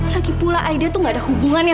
lagipula aida itu gak ada hubungannya